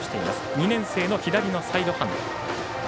２年生の左のサイドハンド。